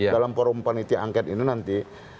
dalam forum panitia angket ini nanti